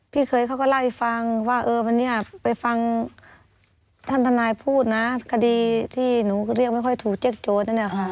พี่เคยเขาก็เล่าให้ฟังว่าเออวันนี้ไปฟังท่านทนายพูดนะคดีที่หนูเรียกไม่ค่อยถูกเจ๊โจทย์นั่นแหละค่ะ